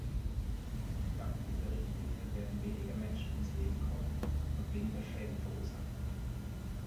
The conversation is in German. Dank dieser Richtlinie werden weniger Menschen ums Leben kommen und weniger Schäden verursacht.